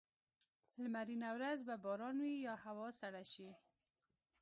لمرینه ورځ به باران وي یا هوا سړه شي.